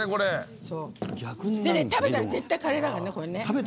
食べたら、絶対にカレーなのね。